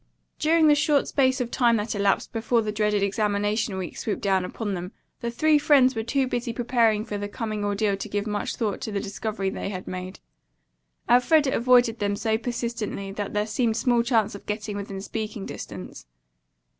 During the short space of time that elapsed before the dreaded examination week swooped down upon them, the three friends were too busy preparing for the coming ordeal to give much thought to the discovery they had made. Elfreda avoided them so persistently that there seemed small chance of getting within speaking distance.